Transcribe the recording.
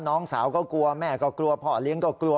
น้องสาวก็กลัวแม่ก็กลัวพ่อเลี้ยงก็กลัว